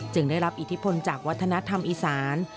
ได้รับอิทธิพลจากวัฒนธรรมอีสาน